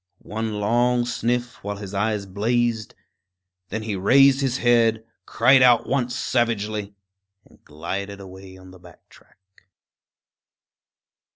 One long sniff, while his eyes blazed; then he raised his head, cried out once savagely, and glided away on the back track.